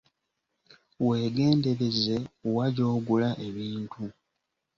Weegendereze wa gy’ogula ebintu.